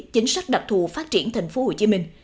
chính sách đặc thù phát triển thành phố hồ chí minh